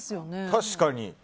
確かに。